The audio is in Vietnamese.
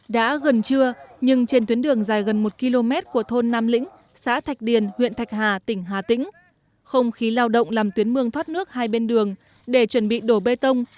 đã gần trưa nhưng trên tuyến đường dài gần một km của thôn nam lĩnh xã thạch điền huyện thạch hà tỉnh hà tĩnh không khí lao động làm tuyến mương thoát nước hai bên đường để chuẩn bị đổ bê tông